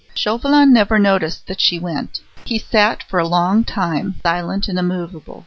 Chauvelin never noticed that she went. He sat for a long time, silent and immovable.